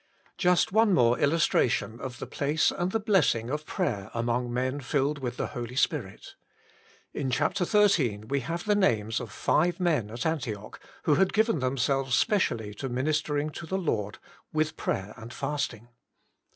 Just one more illustration of the place and the blessing of prayer among men filled with the Holy Spirit. In chapter xiii. we have the names of five men at Antioch who had given themselves specially to ministering to the Lord with prayer and fasting.